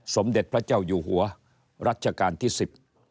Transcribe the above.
สมเด็จพระเจ้าอยู่หัวรัชกาลที่๑๐